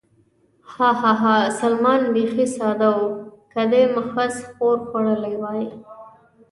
ها، ها، ها، سلمان بېخي ساده و، که دې محض ښور خوړلی وای.